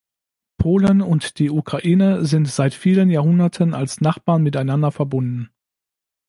Polen und die Ukraine sind seit vielen Jahrhunderten als Nachbarn miteinander verbunden.